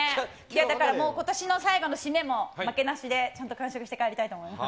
だからもう、ことしの最後の締めも、負けなしで、ちゃんと完食して帰りたいと思います。